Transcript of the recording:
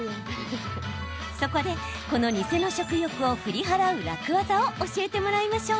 そこで、この偽の食欲を振り払う楽ワザを教えてもらいましょう。